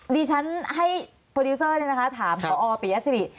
ดิฉันให้โปรดิวเซอร์นี่นะคะถามพอปียสิบิ